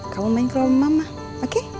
kamu main ke rumah mama oke